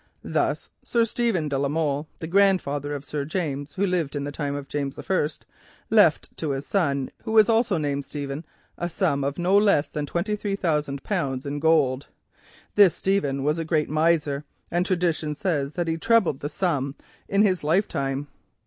Thus, Sir Stephen de la Molle, the grandfather of the Sir James who lived in the time of James I., left to his son, also named Stephen, a sum of no less than twenty three thousand pounds in gold. This Stephen was a great miser, and tradition says that he trebled the sum in his lifetime.